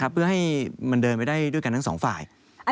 เพื่อให้มันเดินไปได้ด้วยกันทั้งสองฝ่าย